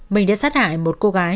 mình đã sát hại một cô gái